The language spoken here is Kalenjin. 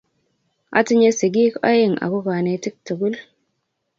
Atinye sigiik aeng ago konetik tugul